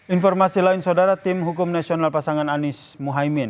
informasi lain saudara tim hukum nasional pasangan anies muhaymin